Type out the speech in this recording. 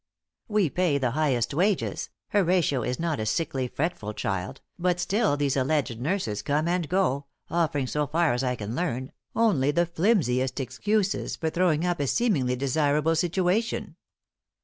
We pay the highest wages, Horatio is not a sickly, fretful child, but still these alleged nurses come and go, offering, so far as I can learn, only the flimsiest excuses for throwing up a seemingly desirable situation.